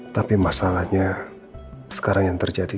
tapi masalahnya sekarang yang terjadi